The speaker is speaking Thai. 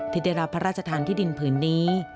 ที่ได้รับพระราชทานที่ดินผืนนี้